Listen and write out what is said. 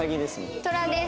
トラです。